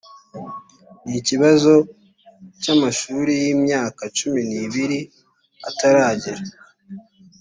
n ikibazo cya amashuri y imyaka cumi n ibiri ataragera